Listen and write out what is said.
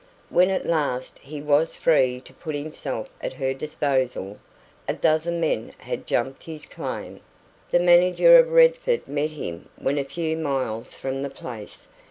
When at last he was free to put himself at her disposal, a dozen men had jumped his claim. The manager of Redford met him when a few miles from the place.